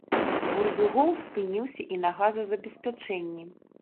Бурдзюгоў спыніўся і на газазабеспячэнні.